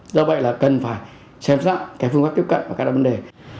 do vậy là cần phải xem sẵn cái phương pháp tiếp cận và các đoạn vấn đề